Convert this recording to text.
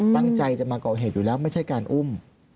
ตั้งใจจะมาก่อเหตุอยู่แล้วไม่ใช่การอุ้ม